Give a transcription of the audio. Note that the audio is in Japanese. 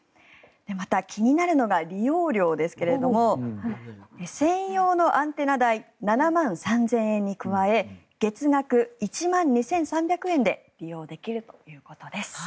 また、気になるのが利用料ですが専用のアンテナ代７万３０００円に加え月額１万２３００円で利用できるということです。